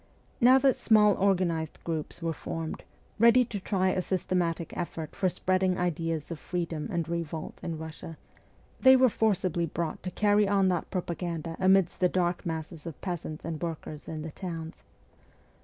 Now that small organised groups were formed, ready to try a systematic effort for spreading ideas of freedom and revolt in Eussia, they were forcibly brought to carry on that propaganda amidst the dark masses of peasants and workers in the towns.